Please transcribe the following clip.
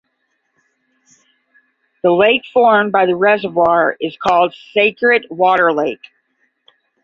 The lake formed by the reservoir is called "Sacred Water Lake".